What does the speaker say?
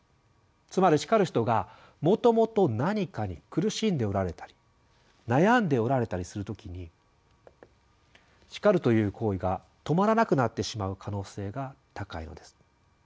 つまり叱る人がもともと何かに苦しんでおられたり悩んでおられたりする時に「叱る」という行為がとまらなくなってしまう可能性が高いのです。